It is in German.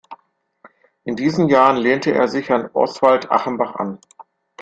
In diesen Jahren lehnte er sich an Oswald Achenbach an.